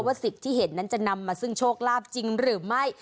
สิ่งที่เห็นนั้นจะนำมาซึ่งโชคลาภจริงหรือไม่